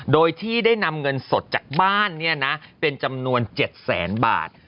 โดยที่ได้นำเงินสดจากบ้านเป็นจำนวน๗แสนบาท